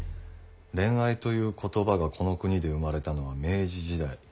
恋愛という言葉がこの国で生まれたのは明治時代。